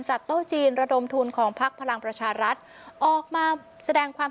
โต๊ะจีนระดมทุนของพักพลังประชารัฐออกมาแสดงความ